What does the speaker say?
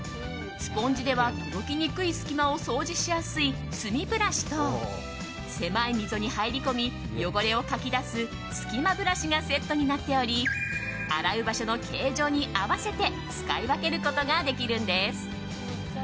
スポンジでは届きにくい隙間を掃除しやすいすみブラシと狭い溝に入り込み汚れをかき出すすき間ブラシがセットになっており洗う場所の形状に合わせて使い分けることができるんです。